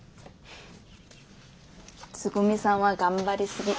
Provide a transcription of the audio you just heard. つぐみさんは頑張りすぎ。